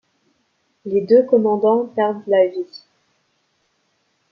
Les deux commandants perdent la vie.